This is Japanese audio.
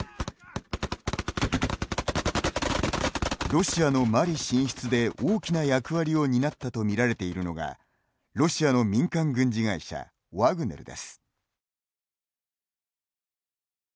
ロシアのマリ進出で大きな役割を担ったと見られているのがロシアの民間軍事会社ワグネルです。